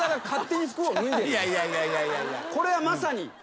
これはまさに。